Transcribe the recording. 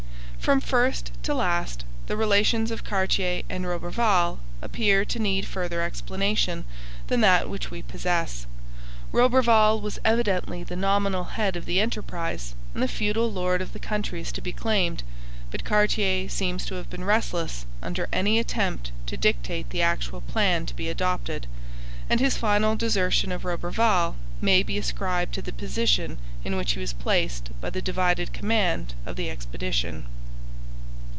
From first to last the relations of Cartier and Roberval appear to need further explanation than that which we possess. Roberval was evidently the nominal head of the enterprise and the feudal lord of the countries to be claimed, but Cartier seems to have been restless under any attempt to dictate the actual plan to be adopted, and his final desertion of Roberval may be ascribed to the position in which he was placed by the divided command of the expedition.